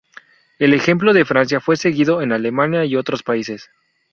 El ejemplo de Francia fue seguido en Alemania y otros países.